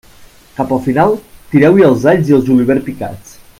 Cap al final, tireu-hi els alls i el julivert picats.